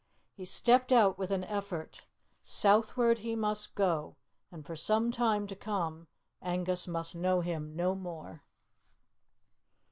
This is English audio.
He stepped out with an effort; southward he must go, and for some time to come Angus must know him no more.